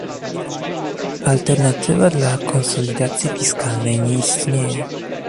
Alternatywa dla konsolidacji fiskalnej nie istnieje